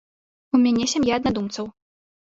У мяне сям'я аднадумцаў.